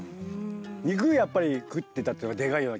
肉やっぱり食ってたっていうのがでかいような。